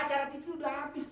acara tidur udah habis